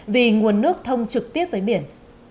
vì nguồn nước thông trực tiếp với biển